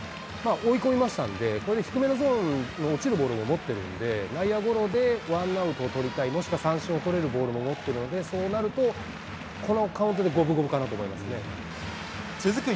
追い込みましたんで、これで低めのゾーンに落ちるボールも持ってるんで、内野ゴロでワンアウト取りたい、もしくは三振を取れるボールも持っているので、そうなると、このカウントで五分五分かなと思続く